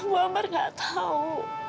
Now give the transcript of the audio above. bu ambar gak tau